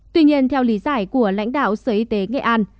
tuy nhiên theo lý giải của lãnh đạo sở y tế nghệ an